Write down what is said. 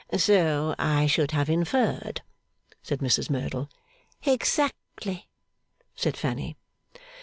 'So I should have inferred,' said Mrs Merdle. 'Exactly,' said Fanny.